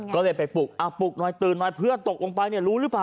ก็เลยไปปลุกปลุกหน่อยตื่นหน่อยเพื่อนตกลงไปเนี่ยรู้หรือเปล่า